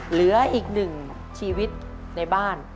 เหลืออีกหนึ่งชีวิตในบ้าน